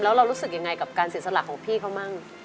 แล้วเรารู้สึกยังไงกับการเสียสละของพี่เขามั่ง